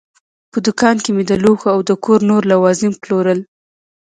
په دوکان کې مې د لوښو او د کور نور لوازم پلورل.